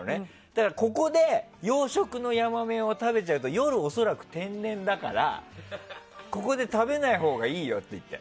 だから、ここで養殖のヤマメを食べちゃうと夜、恐らく天然だからここで食べないほうがいいよって言って。